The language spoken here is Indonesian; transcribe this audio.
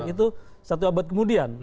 itu satu abad kemudian